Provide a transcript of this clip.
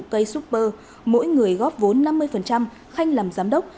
cây super mỗi người góp vốn năm mươi khanh làm giám đốc